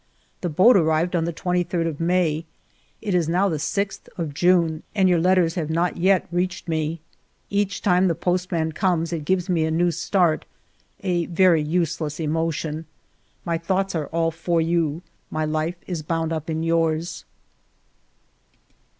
The boat arrived on the 23d of May; it is now the 6th of June, and your letters have not yet reached me. Each time the postman comes. i6o FIVE YEARS OF MY LIFE it gives me a new start, a very useless emotion. My thoughts are all for you, my life is bound up in yours."